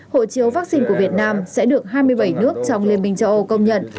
hộ chiếu vaccine của việt nam sẽ được hai mươi bảy nước trong liên minh châu âu công nhận